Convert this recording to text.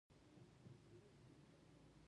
په لوړ غږ شور جوړونکی وي.